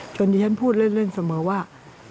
ดิฉันพูดเล่นเสมอว่า